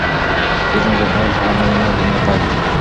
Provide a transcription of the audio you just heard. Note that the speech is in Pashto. د علم زده کول په هر نارینه او ښځینه فرض دي.